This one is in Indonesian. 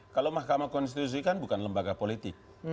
kalau mahkamah konstitusi kan bukan lembaga politik